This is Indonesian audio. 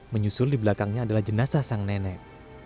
menyusul di belakangnya adalah jenazah sang nenek